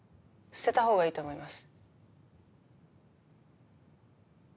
捨てたほうがいいと思います。